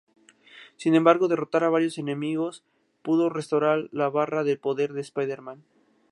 Sin embargo, derrotar a varios enemigos puede restaurar la barra de poder de Spiderman.